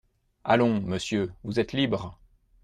Allons, monsieur, vous êtes libre.